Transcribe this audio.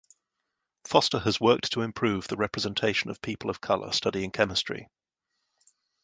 Foster has worked to improve the representation of people of colour studying chemistry.